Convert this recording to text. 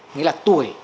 nghĩa là tuổi